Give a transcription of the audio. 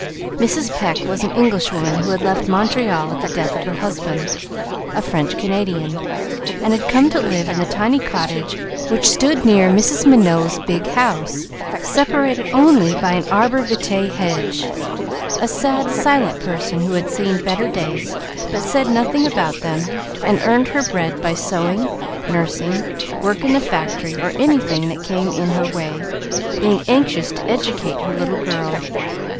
Mrs. Pecq was an Englishwoman who had left Montreal at the death of her husband, a French Canadian, and had come to live in the tiny cottage which stood near Mrs. Minot's big house, separated only by an arbor vitae hedge. A sad, silent person, who had seen better days, but said nothing about them, and earned her bread by sewing, nursing, work in the factory, or anything that came in her way, being anxious to educate her little girl.